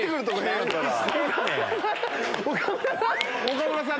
岡村さん！